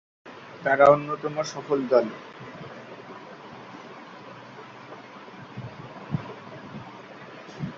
তারা অন্যতম সফল দল।